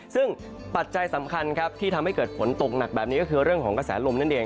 ซึ่งปัจจัยสำคัญครับที่ทำให้เกิดฝนตกหนักแบบนี้ก็คือเรื่องของกระแสลมนั่นเอง